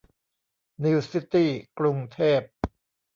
นิวซิตี้ กรุงเทพ